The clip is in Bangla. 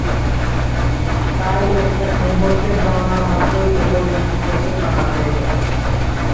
তাই একটা সম্পর্কে জানা মাত্রই অপরটি সম্পর্কে জানা হয়ে গেছে।